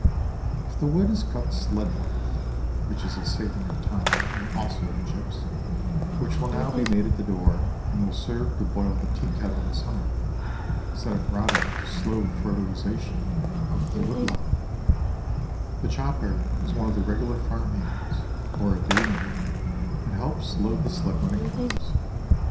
If the wood is cut "sled length," which is a saving of time and also of chips, which will now be made at the door and will serve to boil the tea kettle in summer, instead of rotting to slow fertilization of the woodlot, the chopper is one of the regular farm hands or a "day man," and helps load the sled when it comes.